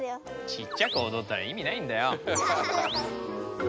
ちっちゃくおどったらいみないんだよ！